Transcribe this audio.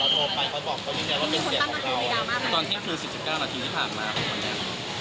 ตอนที่คือ๑๙นาทีที่ถามมาของคนนี้